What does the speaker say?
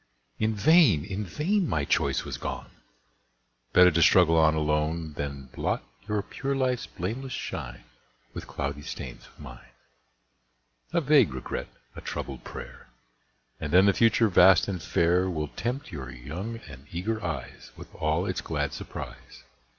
In vain, in vain! my choice was gone! Better to struggle on alone Than blot your pure life's blameless shine With cloudy stains of mine. A vague regret, a troubled prayer, And then the future vast and fair Will tempt your young and eager eyes With all its glad surprise.